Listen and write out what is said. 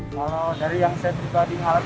kalau dari yang saya pribadi malam